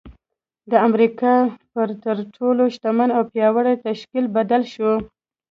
د امريکا پر تر ټولو شتمن او پياوړي تشکيل بدل شو.